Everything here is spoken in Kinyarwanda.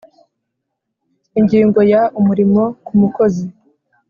Ingingo ya umurimo ku mukozi